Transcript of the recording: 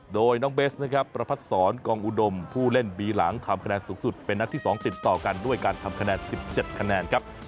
โดยน้องเบสนะครับประพัดศรกองอุดมผู้เล่นบีหลังทำคะแนนสูงสุดเป็นนัดที่๒ติดต่อกันด้วยการทำคะแนน๑๗คะแนนครับ